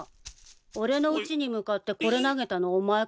俺のうちに向かってこれ投げたのお前か？